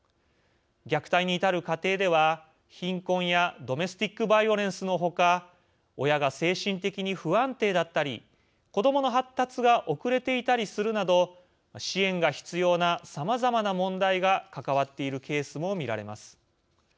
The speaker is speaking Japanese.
虐待に至る家庭では貧困やドメスティックバイオレンスのほか親が精神的に不安定だったり子どもの発達が遅れていたりするなど支援が必要な、さまざまな問題が関わっているケースも見られます。